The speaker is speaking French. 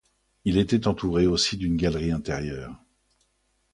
Il était entouré aussi d'une galerie intérieure.